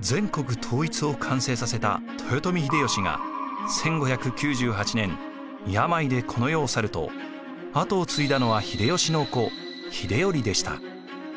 全国統一を完成させた豊臣秀吉が１５９８年病でこの世を去ると後を継いだのは秀吉の子秀頼でした。